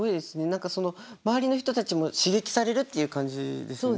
何かその周りの人たちも刺激されるっていう感じですよね。